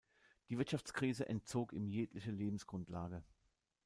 Die Wirtschaftskrise entzog ihm jegliche Lebensgrundlage.